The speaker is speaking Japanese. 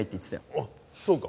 おっそうか。